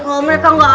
kalau mereka nggak ada